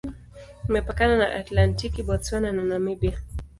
Imepakana na Atlantiki, Botswana na Namibia.